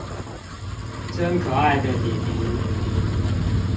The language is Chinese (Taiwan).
真可愛的底迪